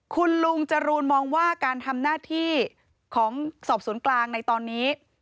คุณลุงจรูนมองว่าการทำหน้าที่ของสอบสวนกลางในตอนนี้